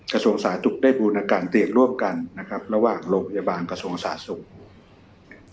กระทรวงศาสตร์ถูกได้บูรณาการเตียงร่วมกันนะครับระหว่างโรงพยาบาลกระทรวงศาสตร์สุมภูมิ